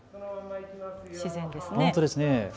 自然ですね。